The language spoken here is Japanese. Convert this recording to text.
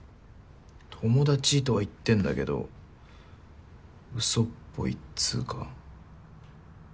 友達とは言ってんだけどうそっぽいっつうか。